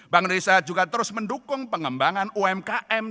bank indonesia juga terus mendukung pengembangan umkm